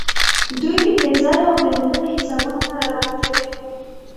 دوی دې بې ځایه او بې دلیله حسابونه نه راباندې تپي.